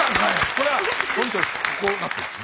これは本当です。